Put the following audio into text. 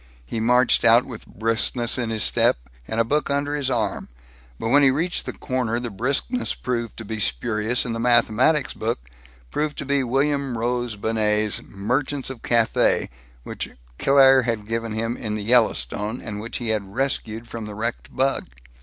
He marched out with briskness in his step, and a book under his arm; but when he reached the corner, the briskness proved to be spurious, and the mathematics book proved to be William Rose Benét's Merchants of Cathay, which Claire had given him in the Yellowstone, and which he had rescued from the wrecked bug.